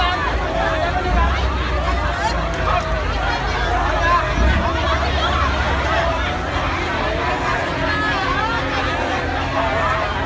ก็ไม่มีเวลาให้กลับมาเท่าไหร่